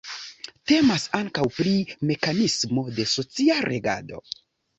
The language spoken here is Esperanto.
Temas ankaŭ pri mekanismo de socia regado.